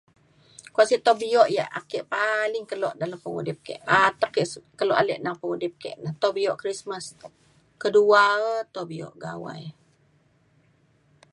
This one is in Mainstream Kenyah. kua si tau bio ia' ake paling kelo dalem pengudip ke atek ke s- kelo alek neng pengudip ke na tau bio Krismas kedua e tau bio Gawai